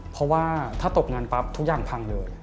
เพราะว่าถ้าตกงานปั๊บทุกอย่างพังเลย